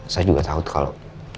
saya juga takut kalau